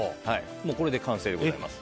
これで完成でございます。